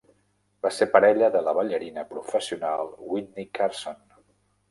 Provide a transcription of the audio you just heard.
Va ser parella de la ballarina professional Witney Carson.